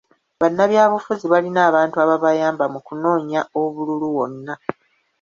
Bannabyabufuzi balina abantu ababayamba mu kunoonya obululu wonna.